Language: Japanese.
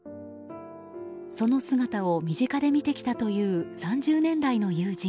その姿を身近で見てきたという３０年来の友人